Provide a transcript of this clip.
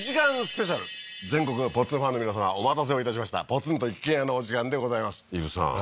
スペシャル全国のポツンファンの皆さまお待たせをポツンと一軒家のお時間でございます伊武さん